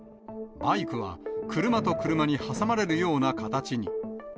バイクは車と車に挟まれるような形に。